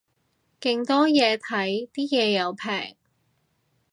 勁多嘢睇，啲嘢又平